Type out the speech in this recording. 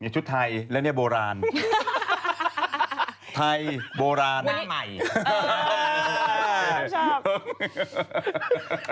นี่ชุดไทยแล้วนี่โบราณไทยโบราณหน้าใหม่อือชอบ